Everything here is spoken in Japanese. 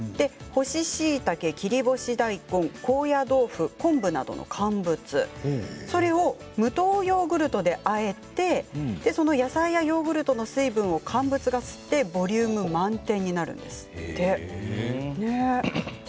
干ししいたけ、切り干し大根高野豆腐、昆布などの乾物それを無糖ヨーグルトであえて野菜やヨーグルトの水分を乾物が吸ってボリューム満点になるんだそうです。